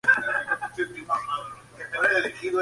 Cancellara, nuevamente, recortó diferencias respecto al líder.